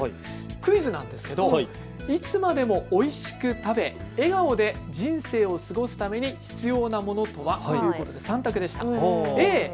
クイズなんですけど、いつまでもおいしく食べ笑顔で人生を過ごすために必要なものとはということで３択でした。